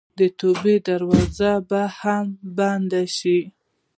د توبې دروازه به هم بنده شي.